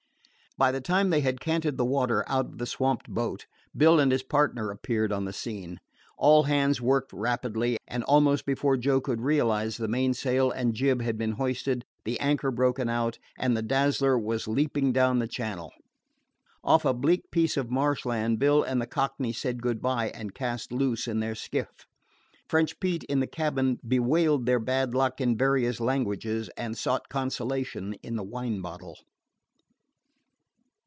By the time they had canted the water out of the swamped boat, Bill and his partner appeared on the scene. All hands worked rapidly, and, almost before Joe could realize, the mainsail and jib had been hoisted, the anchor broken out, and the Dazzler was leaping down the channel. Off a bleak piece of marshland Bill and the Cockney said good by and cast loose in their skiff. French Pete, in the cabin, bewailed their bad luck in various languages, and sought consolation in the wine bottle.